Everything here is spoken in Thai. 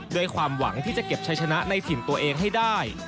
ด้วยความหวังที่จะเก็บชัยชนะในถิ่นตัวเองให้ได้